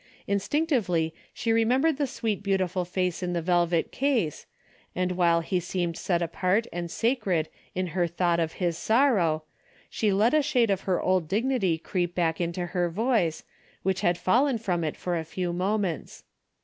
Instinctively she remem bered the sweet beautiful face in the velvet case, and while he seemed set apart and sacred in her thought of his sorrow, she let a shade of her old dignity creep back into her voice, which had fallen from it for a few moments.